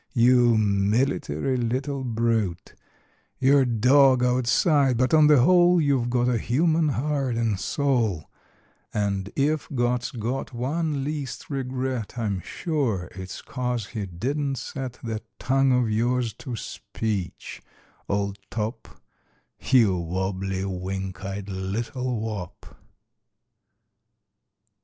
You military little brute, You're dog outside but on the whole You've got a human heart and soul And if God's got one least regret I'm sure it's cause he didn't set That tongue of yours to speech, old top— You wobbly, wink eyed little wop!